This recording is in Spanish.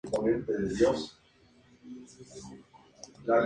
Tenía dientes lateralmente comprimidos, fuertes y con bordes serrados.